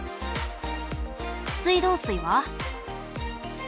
水道水は？